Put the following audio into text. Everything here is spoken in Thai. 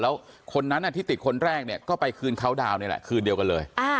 แล้วคนนั้นที่ติดคนแรกเนี่ยก็ไปคืนเขาดาวนนี่แหละคืนเดียวกันเลย